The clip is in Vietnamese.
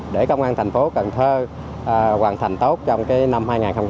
để công an thành phố cần thơ hoàn thành tốt trong cái năm hai nghìn hai mươi hai